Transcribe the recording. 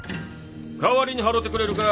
代わりに払てくれるか？